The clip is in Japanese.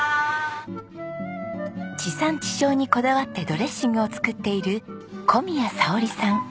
地産地消にこだわってドレッシングを作っている小宮左織さん。